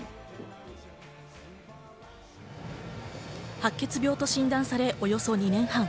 白血病と診断されおよそ２年半。